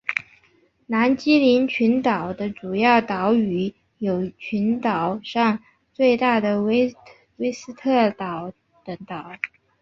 南基林群岛的主要岛屿有群岛上最大的威斯特岛等岛。